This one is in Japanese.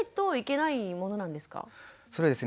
そうですね。